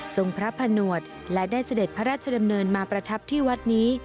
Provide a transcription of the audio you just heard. พระผนวดและได้เสด็จพระราชดำเนินมาประทับที่วัดนี้